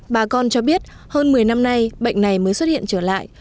bà con cho biết hơn một mươi năm nay bệnh này mới xuất hiện trở lại